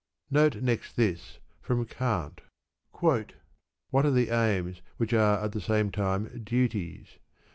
Note next this, from Kant: What are the aims which are at the same time duties?